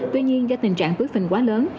tuy nhiên do tình trạng túi phình quá lớn